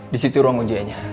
di situ ruang ujianya